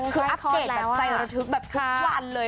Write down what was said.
เคยอัพเดทกับใจรถทึกแบบทุกวันเลย